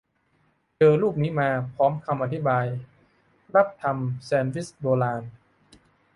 เจอรูปนี้มา พร้อมคำอธิบาย "รับทำ แซนวิชโบราณ"